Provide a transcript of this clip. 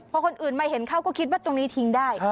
พอคนอื่นมาเห็นเขาก็คิดว่าตรงนี้ทิ้งได้